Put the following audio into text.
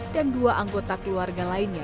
dua anggota keluarga lainnya